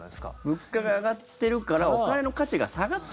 物価が上がってるからお金の価値が下がってる。